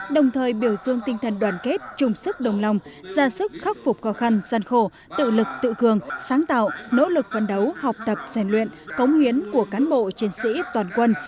đồng thời biểu dương tinh thần đoàn kết chung sức đồng lòng ra sức khắc phục khó khăn gian khổ tự lực tự cường sáng tạo nỗ lực vấn đấu học tập rèn luyện cống hiến của cán bộ chiến sĩ toàn quân